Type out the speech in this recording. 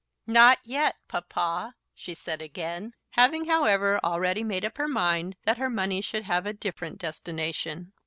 "Not yet, Papa," she said again, having, however, already made up her mind that her money should have a different destination.